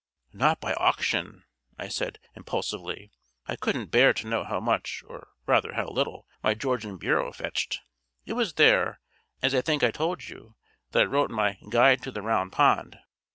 "Not by auction," I said impulsively. "I couldn't bear to know how much or rather how little, my Georgian bureau fetched. It was there, as I think I told you, that I wrote my 'Guide to the Round Pond.'